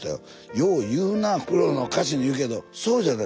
「よう言うなプロの歌手に」いうけどそうじゃない。